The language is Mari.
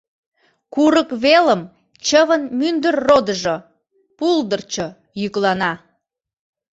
Курык велым чывын мӱндыр родыжо, пулдырчо, йӱклана.